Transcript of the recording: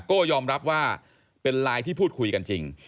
โก้ยอมรับว่าเป็นไลน์ที่พูดคุยกันจริง